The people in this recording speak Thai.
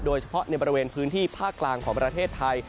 โดยเฉพาะในบริเวณพื้นที่ภาคกลางของประเทศไทย